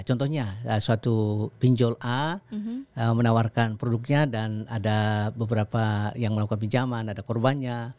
contohnya suatu pinjol a menawarkan produknya dan ada beberapa yang melakukan pinjaman ada korbannya